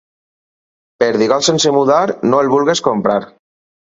Perdigot sense mudar, no el vulguis comprar.